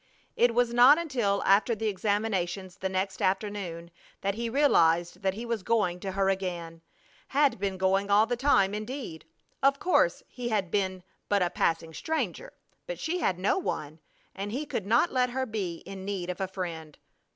It was not until after the examinations the next afternoon that he realized that he was going to her again; had been going all the time, indeed! Of course he had been but a passing stranger, but she had no one, and he could not let her be in need of a friend.